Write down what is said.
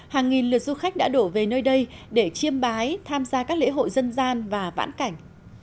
hàng nghìn lượt du khách đã đổ về nơi đây để chiêm bái tham gia các lễ hội dân gian và vãn cảnh